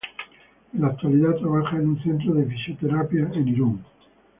En la actualidad trabaja en un centro de fisioterapia en Irún.